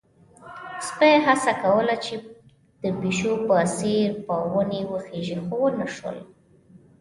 سپی هڅه کوله چې د پيشو په څېر په ونې وخيژي، خو ونه شول.